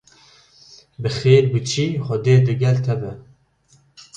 Bi xêr biçî xwedê digel te be